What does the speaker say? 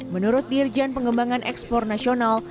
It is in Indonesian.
menurut dirjen pengembangan ekspor nasional